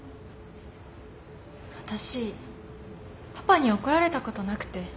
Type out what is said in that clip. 私パパに怒られたことなくて。